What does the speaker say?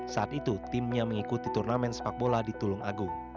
saat itu timnya mengikuti turnamen sepak bola di tulung agung